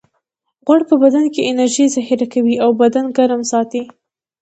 غوړ په بدن کې انرژي ذخیره کوي او بدن ګرم ساتي